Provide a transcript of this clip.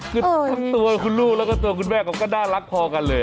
คือทั้งตัวคุณลูกแล้วก็ตัวคุณแม่เขาก็น่ารักพอกันเลย